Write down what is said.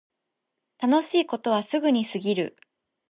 楽しいことはすぐに過ぎる